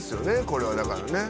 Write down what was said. これはだからね